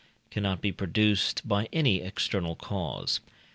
cannot be produced by any external cause.